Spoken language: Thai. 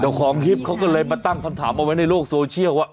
เจ้าของคลิปเขาก็เลยมาตั้งคำถามเอาไว้ในโลกโซเชียลว่า